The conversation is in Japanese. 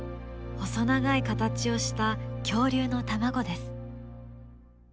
細長い形をした恐竜の卵です。